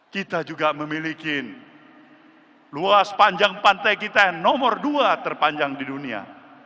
kita juga memiliki luas panjang pantai kita yang nomor dua terpanjang di dunia